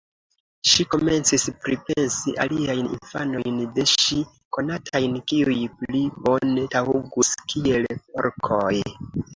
Ŝi komencis pripensi aliajn infanojn de ŝi konatajn, kiuj pli bone taŭgus kiel porkoj.